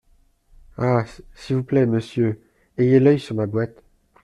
Ah ! s’il vous plaît, monsieur, ayez l’œil sur ma boîte.